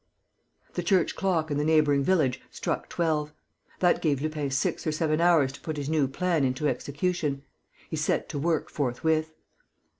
The church clock in a neighbouring village struck twelve. That gave Lupin six or seven hours to put his new plan into execution. He set to work forthwith.